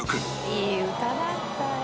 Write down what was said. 「いい歌だったよ」